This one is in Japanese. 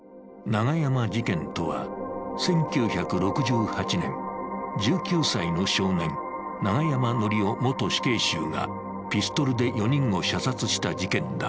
永山事件とは、１９６８年、１９歳の少年、永山則夫元死刑囚がピストルで４人を射殺した事件だ。